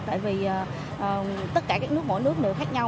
tại vì tất cả các nước mỗi nước đều khác nhau